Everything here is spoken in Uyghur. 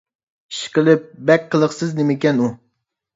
ئىشقىلىپ، بەك قىلىقسىز نېمىكەن ئۇ!